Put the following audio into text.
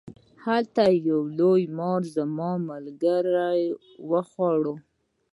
هلته یو لوی مار زما ملګری و خوړ.